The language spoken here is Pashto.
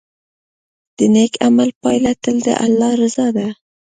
د نیک عمل پایله تل د الله رضا ده.